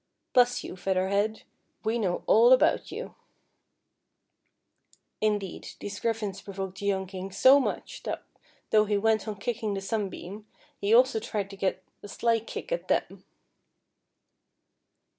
Bless you, Feather Head, we know all about you." Indeed, these griffins provoked the young King so much, that though he went on kick ing the sunbeam, he also tried to get a sly kick at them.